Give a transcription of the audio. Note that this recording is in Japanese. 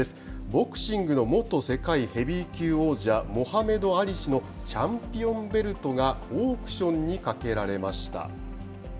ボクシングの元世界ヘビー級王者、モハメド・アリ氏のチャンピオンベルトがオークションにかけられました。